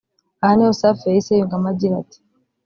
Aha niho Safi yahise yungamo agira ati